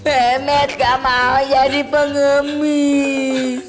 eh met nggak mau jadi pengemis